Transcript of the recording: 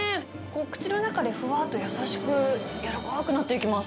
口の中でふわーっと優しく、柔らかくなっていきます。